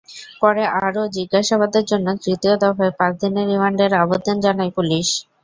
পরে আরও জিজ্ঞাসাবাদের জন্য তৃতীয় দফায় পাঁচ দিনের রিমান্ডের আবেদন জানায় পুলিশ।